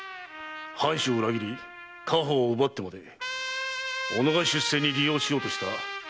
藩主を裏切り家宝を奪ってまで己が出世に利用しようとした卑しき魂胆。